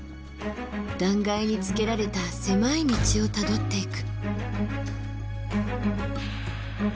断崖につけられた狭い道をたどっていく。